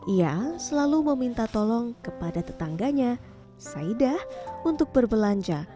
ia selalu meminta tolong kepada tetangganya saidah untuk berbelanja